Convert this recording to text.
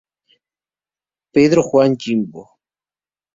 Juan Pedro Jimbo.